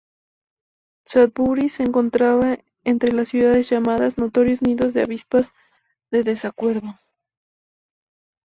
Sudbury se encontraba entre las ciudades llamadas "notorios nidos de avispas de desacuerdo".